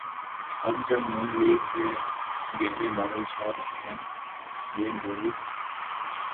اب جب نون لیگ پہ گہرے بادل چھا رہے ہیں‘ یہ بھولی